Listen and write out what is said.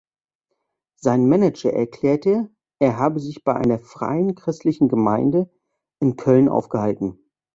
Sein Manager erklärte, er habe sich bei einer freien christlichen Gemeinde in Köln aufgehalten.